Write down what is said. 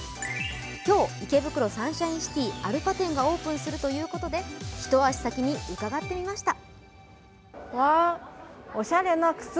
今日、池袋サンシャインシティアルパ店がオープンするということで、ひと足先に伺ってみました。